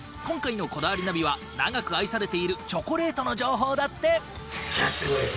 今回の『こだわりナビ』は長く愛されているチョコレートの情報だって。